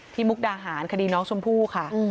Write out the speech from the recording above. ที่มุกดาหารคดีน้องศูนย์ภูมิค่ะ